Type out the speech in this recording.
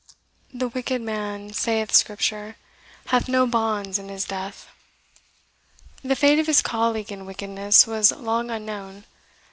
"The wicked man," saith Scripture, "hath no bands in his death." The fate of his colleague in wickedness was long unknown.